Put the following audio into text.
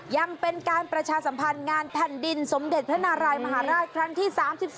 ยังเป็นการประชาสัมพันธ์งานแผ่นดินสมเด็จพระนารายมหาราชครั้งที่๓๒